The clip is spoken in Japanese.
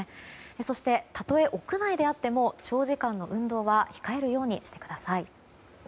そして、たとえ屋内であっても長時間の運動は控えるようにしてください。